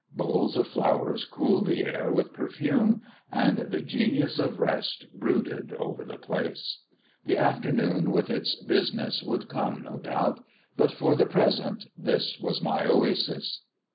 Bowls of flowers cooled the air with perfume, and the Genius of Rest brooded over the place. The afternoon with its business would come, no doubt; but for the present this was my oasis.